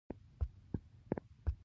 ځمکه د ژوند لپاره یوازینی سیاره ده